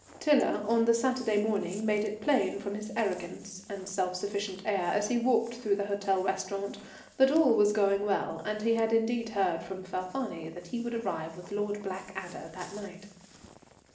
Tiler, on the Saturday morning, made it plain, from his arrogance and self sufficient air as he walked through the hotel restaurant, that all was going well, and he had indeed heard from Falfani that he would arrive with Lord Blackadder that night.